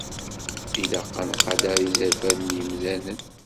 Ilaq ad nqader izerfan n yimdanen.